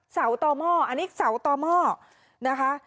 เสาต่อหม้ออันนี้เสาต่อหม้อนะคะ